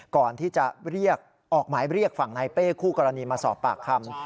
ก่อนที่จะเรียกออกหมายเรียกฝั่งนายเป้คู่กรณีมาสอบปากคำ